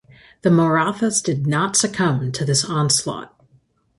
The Marathas did not succumb to this onslaught.